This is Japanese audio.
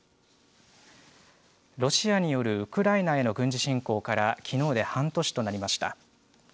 ロシアによるウクライナへの軍事侵攻からきのうで半年となりました。